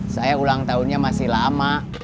saya ulang tahunnya masih lama